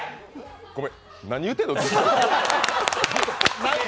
ごめん、何言うてんの、君？